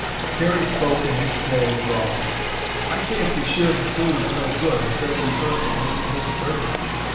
Jerry spoke in his slow drawl. "I cain't be sure the clue is no good until we've heard from this Miss Burger."